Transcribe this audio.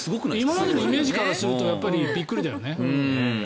今までのイメージからするとびっくりだよね。